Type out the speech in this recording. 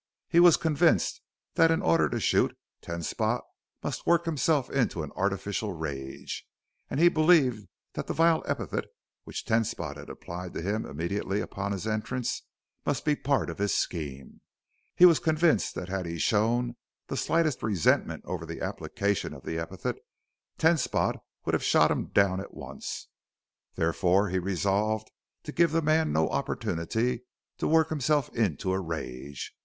He was convinced that in order to shoot, Ten Spot must work himself into an artificial rage, and he believed that the vile epithet which Ten Spot had applied to him immediately upon his entrance must be part of his scheme. He was convinced that had he shown the slightest resentment over the application of the epithet Ten Spot would have shot him down at once. Therefore he resolved to give the man no opportunity to work himself into a rage.